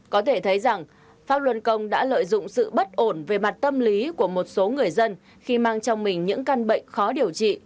có thể thấy rằng pháp luân công đã lợi dụng sự bất ổn về mặt tâm lý của một số người dân khi mang trong mình những căn bệnh khó điều trị